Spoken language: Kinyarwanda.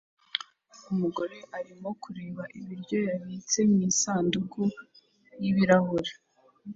Umugore arimo kureba ibiryo yabitse mu isanduku y'ibirahure